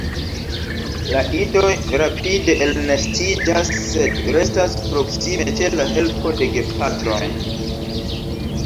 La idoj rapide elnestiĝas sed restas proksime ĉe la helpo de gepatroj.